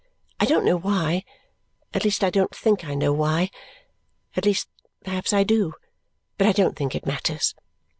I don't know why. At least I don't think I know why. At least, perhaps I do, but I don't think it matters.